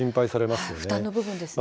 負担の部分ですね。